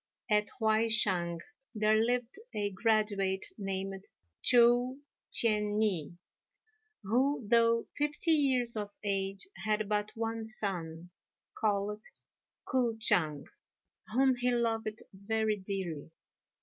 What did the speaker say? At Huai shang there lived a graduate named Chou T'ien i, who, though fifty years of age, had but one son, called K'o ch'ang, whom he loved very dearly.